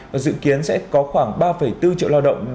và dự kiến sẽ có khoảng ba năm triệu đồng